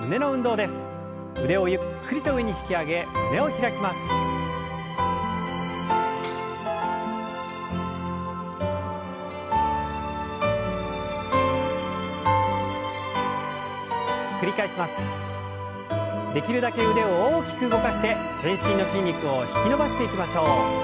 できるだけ腕を大きく動かして全身の筋肉を引き伸ばしていきましょう。